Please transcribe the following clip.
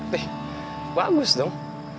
weh bagus dong